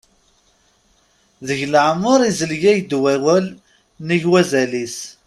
Deg leɛmer izleg-ak-d wawal nnig wazal-is.